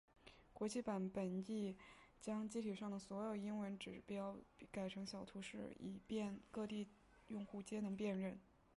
国际版本亦将机体上所有英文指示改成小图示以便各地用户皆能辨认。